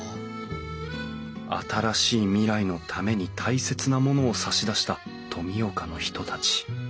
新しい未来のために大切なものを差し出した富岡の人たち。